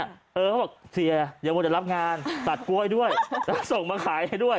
เนี่ยเขาบอกเสียอย่าบอกจะรับงานตัดกล้วยด้วยส่งมาขายให้ด้วย